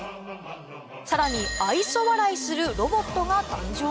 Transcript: さらに愛想笑いするロボットが誕生？